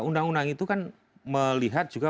undang undang itu kan melihat juga